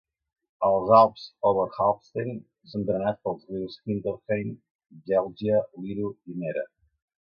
Els Alps Oberhalbstein són drenats pels rius Hinterrhein, Gelgia, Liro i Mera.